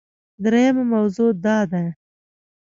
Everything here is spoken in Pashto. دریمه موضوع دا ده